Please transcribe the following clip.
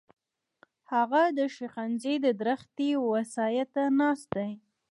هغه د شينغزي د درختې و سايه ته ناست دی.